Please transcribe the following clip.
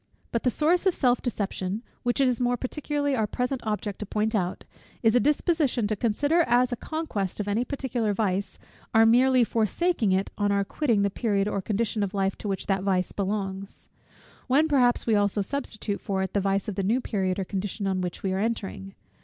But the source of self deception, which it is more particularly our present object to point out, is a disposition to consider as a conquest of any particular vice, our merely forsaking it on our quitting the period or condition of life to which that vice belongs; when perhaps also we substitute for it the vice of the new period or condition on which we are entering.